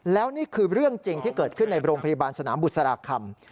แล้วนี่คือเรื่องจริงที่เกิดขึ้นในโรงพยาบาลสนามบุษราคำ